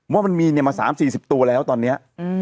ว่ามันมีมา๓๔๐ตัวแล้วตอนนี้